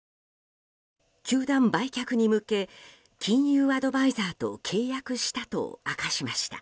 球団売却に向け金融アドバイザーと契約したと明かしました。